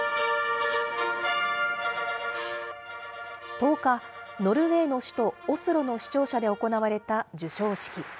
１０日、ノルウェーの首都オスロの市庁舎で行われた授賞式。